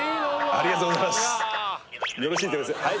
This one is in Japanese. ありがとうございます